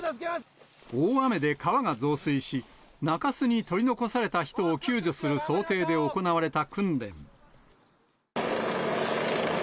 大雨で川が増水し、中州に取り残された人を救助する想定で行われた訓練。